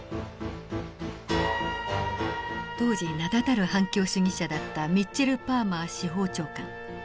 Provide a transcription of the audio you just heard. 当時名だたる反共主義者だったミッチェル・パーマー司法長官。